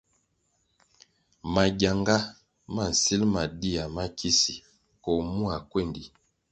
Mangyanga ma nsil ma dia makisi koh mua kwéndi.